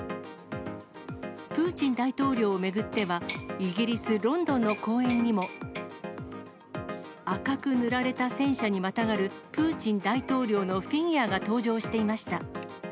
プーチン大統領を巡っては、イギリス・ロンドンの公園にも。赤く塗られた戦車にまたがるプーチン大統領のフィギュアが登場していました。